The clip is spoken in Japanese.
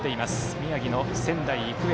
宮城の仙台育英。